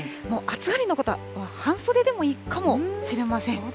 もう暑がりな方は、もう半袖でもいいかもしれません。